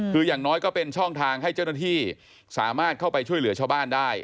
คืออย่างน้อยก็เป็นช่องทางให้เจ้าหน้าที่สามารถเข้าไปช่วยเหลือชาวบ้านได้